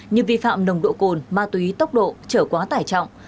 như vi phạm nồng độ cồn ma túy tốc độ trở quá tải trọng